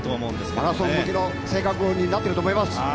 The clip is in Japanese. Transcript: マラソン向きの性格になっていると思います。